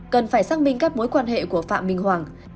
cần phải xác minh các mối quan hệ của phạm minh hoàng